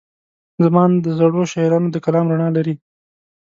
زما اند د زړو شاعرانو د کلام رڼا لري.